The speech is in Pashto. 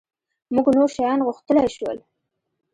مونږ نور شیان غوښتلای شول.